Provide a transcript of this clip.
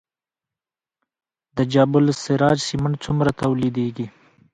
د جبل السراج سمنټ څومره تولیدیږي؟